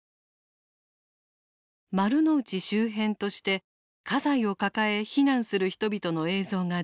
「丸の内周辺」として家財を抱え避難する人々の映像が出てくる。